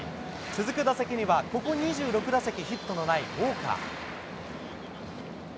続く打席には、ここ２６打席、ヒットのないウォーカー。